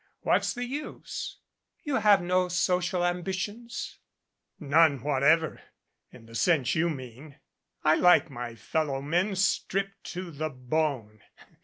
What's the use?" "You have no social ambitions ?" "None whatever in the sense you mean. I like my fellow men stripped to the bone.